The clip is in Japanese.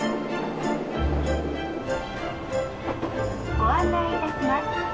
「ご案内いたします。